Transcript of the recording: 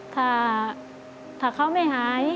ถ้าเขาไม่หาย